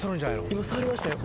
今触りましたよ。